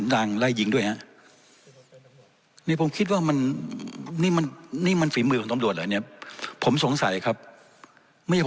ดั่งไล่หยิงด้วยนะนี่ผมคิดว่ามันนี่นี่มันนี่มันฝีมือคุณคนดูแลเนี่ยผมสงสัยครับไม่